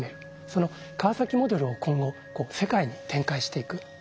その川崎モデルを今後世界に展開していく。